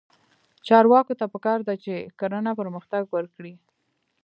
چارواکو ته پکار ده چې، کرنه پرمختګ ورکړي.